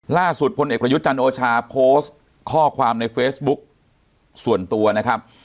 พลเอกประยุทธ์จันโอชาโพสต์ข้อความในเฟซบุ๊กส่วนตัวนะครับ